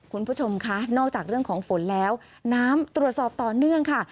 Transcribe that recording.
คุณผู้ชมคะนอกจากเรื่องของฝนแล้วน้ำตรวจสอบต่อเนื่องค่ะ